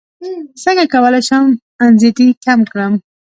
څنګه کولی شم انزیتي کمه کړم